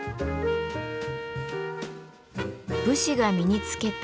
武士が身に着けた「大鎧」。